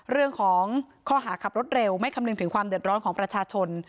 เรื่องของข้อหาขับรถเร็วไม่คำนึงถึงความเดือดร้อนของประชาชน